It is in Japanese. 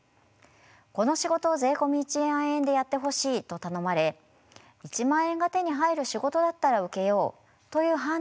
「この仕事を税込１万円でやってほしい」と頼まれ「１万円が手に入る仕事だったら受けよう」という判断をして引き受けているのです。